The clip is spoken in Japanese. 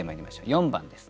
４番です。